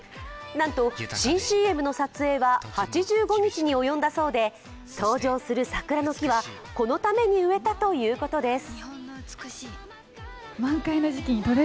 なんと、新ＣＭの撮影は８５日に及んだそうで、登場する桜の木は、このために植えたということです。